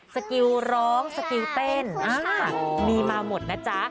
สกิลร้องสกิลเต้นมีมาหมดนะจ๊ะ